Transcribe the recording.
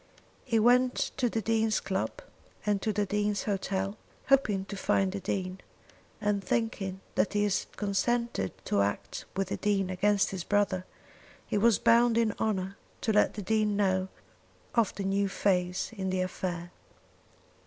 He went to the Dean's club and to the Dean's hotel, hoping to find the Dean, and thinking that as he had consented to act with the Dean against his brother, he was bound in honour to let the Dean know of the new phase in the affair.